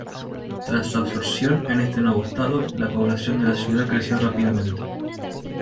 Tras su absorción en este nuevo Estado, la población de la ciudad creció rápidamente.